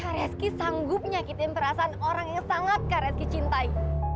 rezki sanggup nyakitin perasaan orang yang sangat kak reski cintai